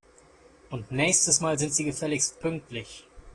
Und nächstes Mal sind Sie gefälligst pünktlich!